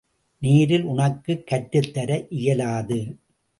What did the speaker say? நேரில் உனக்குக் கற்றுத்தர இயலாது.